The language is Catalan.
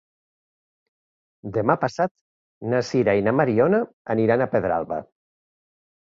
Demà passat na Sira i na Mariona aniran a Pedralba.